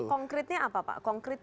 konkretnya apa pak